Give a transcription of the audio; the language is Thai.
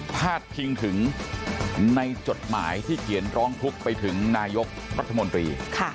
พาดพิงถึงในจดหมายที่เขียนร้องทุกข์ไปถึงนายกรัฐมนตรี